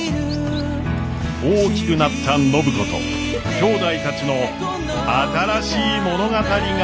大きくなった暢子ときょうだいたちの新しい物語が始まります。